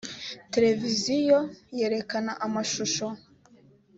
televiziyo yerekana amashusho.